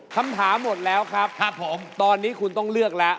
คำถามหมดแล้วครับผมตอนนี้คุณต้องเลือกแล้ว